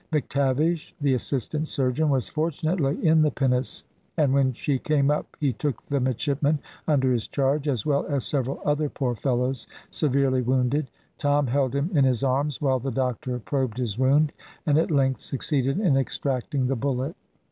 McTavish, the assistant surgeon, was fortunately in the pinnace, and when she came up he took the midshipman under his charge, as well as several other poor fellows severely wounded. Tom held him in his arms while the doctor probed his wound, and at length succeeded in extracting the bullet.